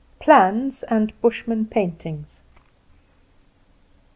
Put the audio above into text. Plans and Bushman Paintings.